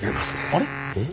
あれ？